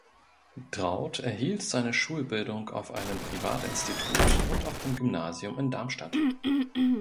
Draudt erhielt seine Schulbildung auf einem Privatinstitut und auf dem Gymnasium in Darmstadt.